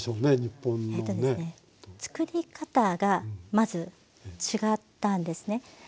作り方がまず違ったんですね。